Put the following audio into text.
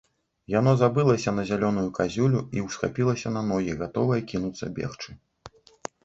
Яно забылася на зялёную казюлю і ўсхапілася на ногі, гатовае кінуцца бегчы.